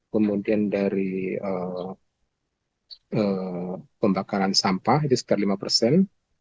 kemudian dari pembakaran sampah itu sekitar lima persen